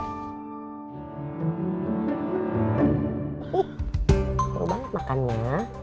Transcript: hih baru banget makannya